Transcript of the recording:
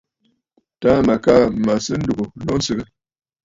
Taà mə kaa mə̀ sɨ̌ ndúgú lô ǹsɨgə.